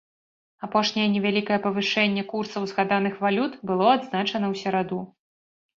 Апошняе невялікае павышэнне курсаў згаданых валют было адзначана ў сераду.